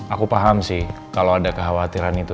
aku paham sih kalau ada kekhawatiran itu